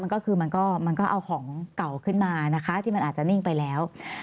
ก็คือมันก็เอาของเก่าขึ้นมานะคะที่มันอาจจะนิ่งไปแล้ว